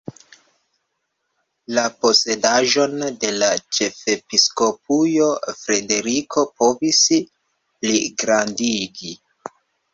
La posedaĵon de la ĉefepiskopujo Frederiko povis pligrandigi.